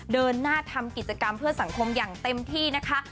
เดินหน้าทำกิจกรรมเพื่อสังคมอย่างเต็มที่นะคะ